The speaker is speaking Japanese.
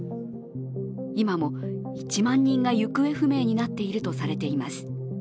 今も１万人が行方不明になっているとされています。